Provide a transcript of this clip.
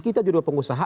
kita juga pengusaha